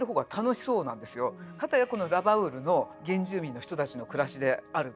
かたやこのラバウルの原住民の人たちの暮らしである。